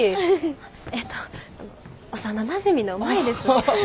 えっと幼なじみの舞です。